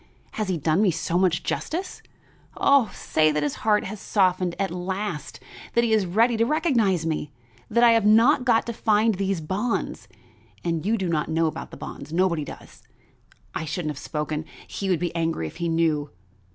Has he done me so much justice? Oh, say that his heart has softened at last; that he is ready to recognize me; that I have not got to find those bonds but you do not know about the bonds nobody does. I shouldn't have spoken; he would be angry if he knew.